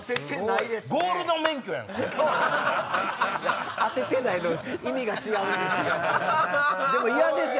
いや「当ててない」の意味が違うんですよ。